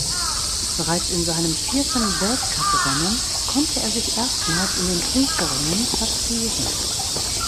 Bereits in seinem vierten Weltcuprennen konnte er sich erstmals in den Punkterängen platzieren.